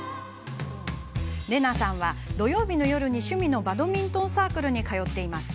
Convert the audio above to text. れなさん、土曜日の夜に趣味のバドミントンサークルに通っています。